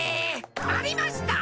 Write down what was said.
ありました！